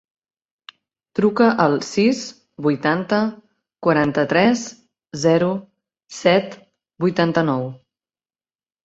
Truca al sis, vuitanta, quaranta-tres, zero, set, vuitanta-nou.